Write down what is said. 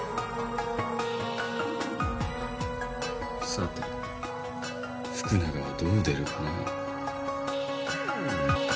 さて福永はどう出るかな？